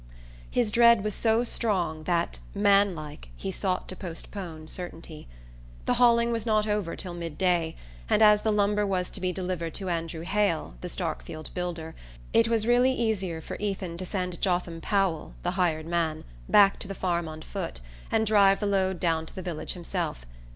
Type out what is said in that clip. His dread was so strong that, man like, he sought to postpone certainty. The hauling was not over till mid day, and as the lumber was to be delivered to Andrew Hale, the Starkfield builder, it was really easier for Ethan to send Jotham Powell, the hired man, back to the farm on foot, and drive the load down to the village himself.